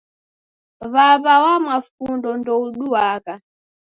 W'aw'a wa mafundo ndouduagha.